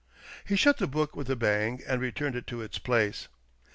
He shut the book with a bang and returned it to its place.